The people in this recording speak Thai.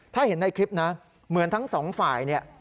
ถ้าเห็นในคลิปนะเหมือนทั้งสองฝ่ายเนี่ย